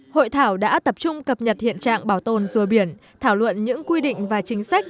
hội thảo đã tập trung cập nhật hiện trạng bảo tồn dùa biển thảo luận những quy định và chính sách